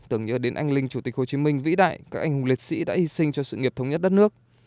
tưởng nhớ đến anh linh chủ tịch hồ chí minh vĩ đại các anh hùng liệt sĩ đã hy sinh cho sự nghiệp thống nhất đất nước